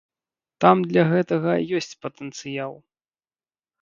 Там для гэтага ёсць патэнцыял.